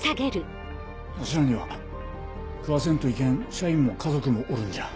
わしらには食わせんといけん社員も家族もおるんじゃ。